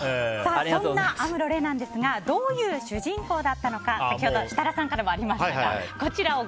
そんなアムロ・レイですがどんな主人公だったのか先ほど設楽さんからもありましたが説明しようか？